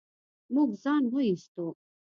موږ ځان و ايستو.